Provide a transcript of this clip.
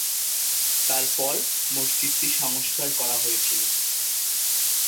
তার পর মসজিদটি সংস্কার করা হয়েছিলো।